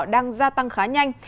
đang gia tăng khá nhanh